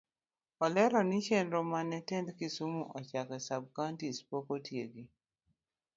Olero ni chienro mane tend kisumu ochako e sub-counties pok otieki.